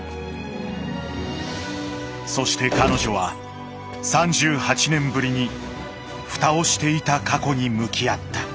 そして彼女は３８年ぶりに蓋をしていた過去に向き合った。